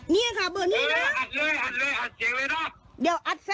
เมื่อคุยรัก